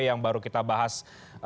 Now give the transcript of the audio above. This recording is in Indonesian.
yang baru kita bahas